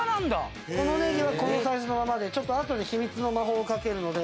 このネギはこのサイズのままでちょっとあとで秘密の魔法をかけるので。